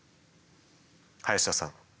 林田さん